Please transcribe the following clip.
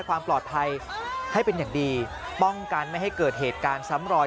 ความปลอดภัยให้เป็นอย่างดีป้องกันไม่ให้เกิดเหตุการณ์ซ้ำรอย